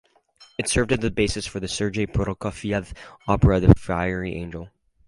It served as the basis for Sergei Prokofiev's opera "The Fiery Angel".